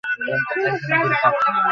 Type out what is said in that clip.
অভদ্র বললে একটু কমই বলা হয়।